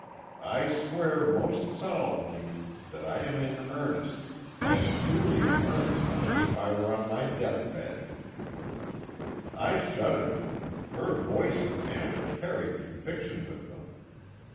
I swear most solemnly that I am in earnest as truly in earnest as if I were on my death bed!' "I shuddered; her voice and manner carried conviction with them.